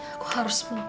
aku harus melakukan sesuatu